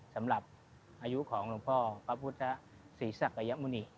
สำหรับอายุของหลวงพ่อพระพุทธศรีศักยมุณิ